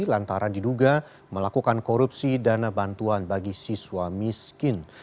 lantaran diduga melakukan korupsi dana bantuan bagi siswa miskin